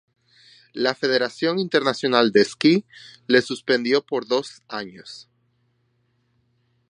La Federación Internacional de Esquí le suspendió por dos años.